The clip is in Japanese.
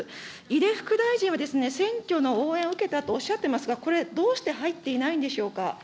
いで副大臣は、選挙の応援を受けたとおっしゃってますが、これ、どうして入っていないんでしょうか。